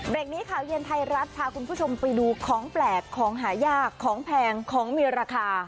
เด็กนี้ข่าวเย็นไทยรัฐพาคุณผู้ชมไปดูของแปลกของหายากของแพงของมีราคา